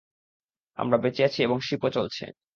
আমরা বেঁচে আছি এবং শিপও চলছে!